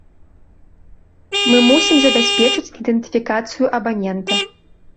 Мы мусім забяспечыць ідэнтыфікацыю абанента.